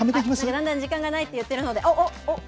だんだん時間がないっていってるので。